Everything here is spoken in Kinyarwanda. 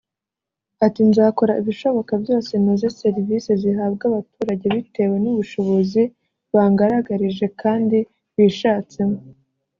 Ati ”Nzakora ibishoboka byose noze serivise zihabwa abaturage bitewe n’ubu bushobozi bangaragarije kandi bishatsemo